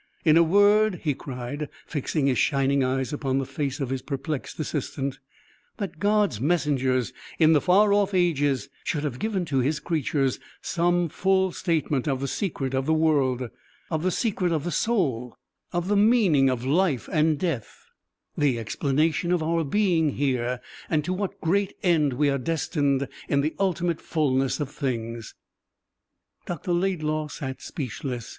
In a word," he cried, fixing his shining eyes upon the face of his perplexed assistant, "that God's messengers in the far off ages should have given to His creatures some full statement of the secret of the world, of the secret of the soul, of the meaning of life and death the explanation of our being here, and to what great end we are destined in the ultimate fullness of things?" Dr. Laidlaw sat speechless.